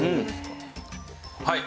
はい。